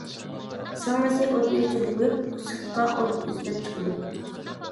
سىڭلىسى ئوتنى ئۆچۈرۈپ قويۇپ، سىرتقا ئوت ئىزدەپ چىقىدۇ.